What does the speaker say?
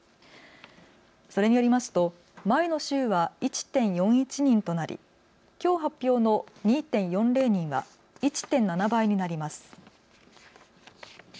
それによりますと前の週は１．４１人となりきょう発表の２．４０人は１．７倍になります。